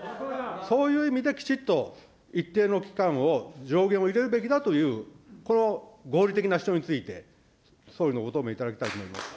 そういう意味できちっと一定の期間を、上限を入れるべきだという、この合理的な主張について、総理のご答弁いただきたいと思います。